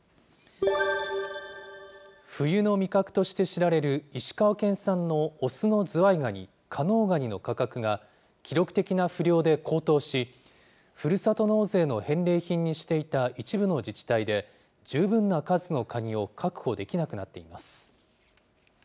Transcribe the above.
冬の味覚として知られる、石川県産の雄のズワイガニ、加能ガニの価格が、記録的な不漁で高騰し、ふるさと納税の返礼品にしていた一部の自治体で、十分な数のカニを確保できなくなっています。